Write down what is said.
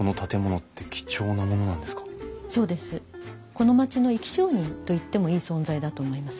この町の生き証人と言ってもいい存在だと思います。